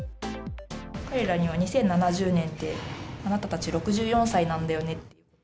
彼らには２０７０年って、あなたたち６４歳なんだよね。